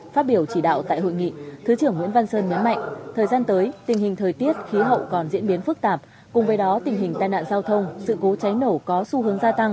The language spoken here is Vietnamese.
phát biểu chỉ đạo tại hội nghị thứ trưởng nguyễn văn sơn nhấn mạnh thời gian tới tình hình thời tiết khí hậu còn diễn biến phức tạp cùng với đó tình hình tai nạn giao thông sự cố cháy nổ có xu hướng gia tăng